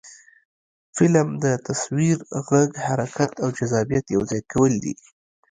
فلم د تصویر، غږ، حرکت او جذابیت یو ځای کول دي